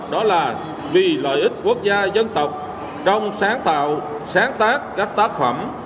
đó là vì lợi ích quốc gia dân tộc trong sáng tạo sáng tác các tác phẩm